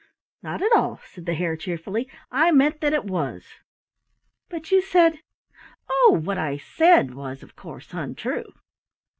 "Not at all," said the Hare cheerfully. "I meant that it was." "But you said " "Oh, what I said was, of course, untrue."